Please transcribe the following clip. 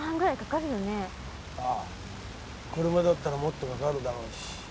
ああ車だったらもっとかかるだろうし。